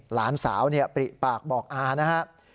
หลานสาวปริปากบอกอานะครับ